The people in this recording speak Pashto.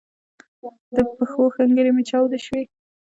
د پښو ښنګري می چاودی شوي